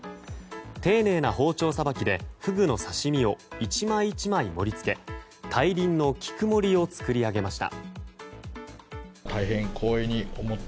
丁寧な包丁さばきでフグの刺し身を１枚１枚盛り付け大輪の菊盛りを作り上げました。